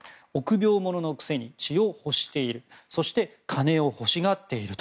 臆病者のくせに血を欲しているそして金を欲しがっている。